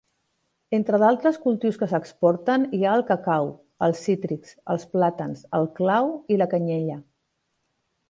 Entre d'altres cultius que s'exporten hi ha el cacau, els cítrics, els plàtans, el clau i la canyella.